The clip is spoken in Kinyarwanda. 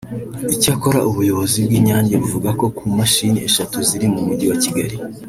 Icyakora ubuyobozi bw’Inyange buvuga ko ku mashini eshatu ziri mu mujyi wa Kigali